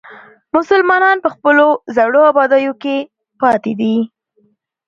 مسلمانان په خپلو زړو ابادیو کې پاتې دي.